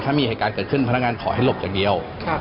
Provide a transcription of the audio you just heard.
ถ้ามีอันดับเกิดขึ้นพนักงานขอให้หลบอย่างเดียวครับ